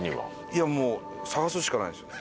いやもう探すしかないんですよ。